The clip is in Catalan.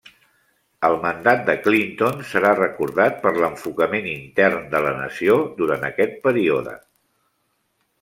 El mandat de Clinton serà recordat per l'enfocament intern de la nació durant aquest període.